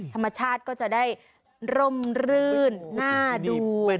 ธรรมชาติก็จะได้ร่มรื่นน่าดู